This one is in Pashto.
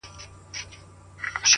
دده ارزو ده؛ چې که دا ونشې